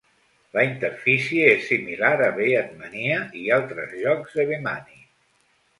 La interfície és similar a "beatmania" i altres jocs de Bemani.